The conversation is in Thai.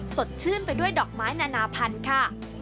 สดชื่นไปด้วยดอกไม้นานาพันธุ์ค่ะ